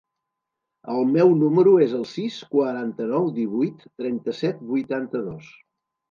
El meu número es el sis, quaranta-nou, divuit, trenta-set, vuitanta-dos.